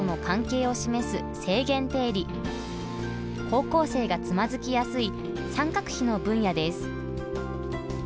高校生がつまずきやすい三角比の分野です。